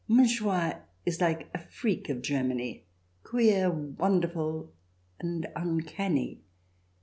Montjoie is like a freak of Germany, queer, wonderful, and uncanny.